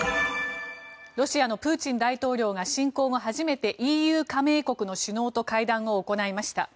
ロシアのプーチン大統領が侵攻後初めてＥＵ加盟国の首脳と会談を行いました。